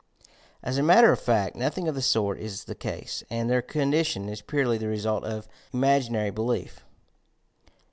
As a matter of fact nothing of the sort is the case, and their condition is purely the result of imaginary belief.